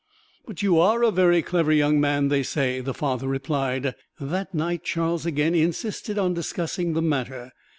"But you are a very clever young man, they say," the father replied. That night Charles again insisted on discussing the matter.